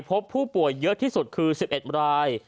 พบผู้ป่วยเยอะที่สุดคือ๑๑ราย